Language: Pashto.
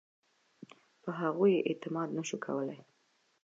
په هغوی یې اعتماد نه شو کولای.